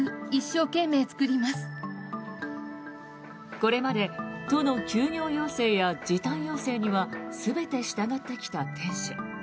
これまで都の休業要請や時短要請には全て従ってきた店主。